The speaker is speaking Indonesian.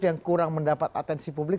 yang kurang mendapat atensi publik